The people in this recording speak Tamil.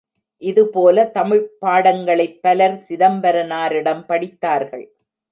இதுபோல தமிழ்ப் பாடங்களைப் பலர் சிதம்பரனாரிடம் படித்தார்கள்.